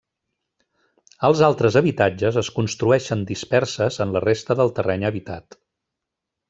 Els altres habitatges es construeixen disperses en la resta del terreny habitat.